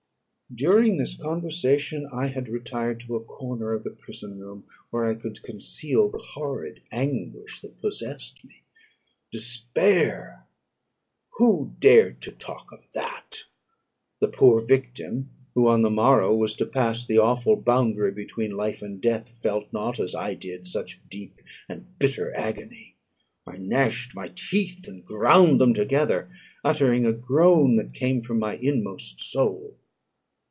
During this conversation I had retired to a corner of the prison room, where I could conceal the horrid anguish that possessed me. Despair! Who dared talk of that? The poor victim, who on the morrow was to pass the awful boundary between life and death, felt not as I did, such deep and bitter agony. I gnashed my teeth, and ground them together, uttering a groan that came from my inmost soul.